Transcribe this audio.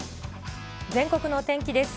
全国のお天気です。